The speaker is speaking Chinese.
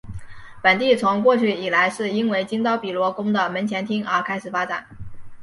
本地从过去以来是因为金刀比罗宫的门前町而开始发展。